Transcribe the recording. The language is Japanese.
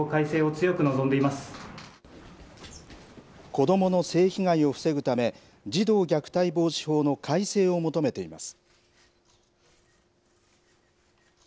子どもの性被害を防ぐため、児童虐待防止法の改正を求めています。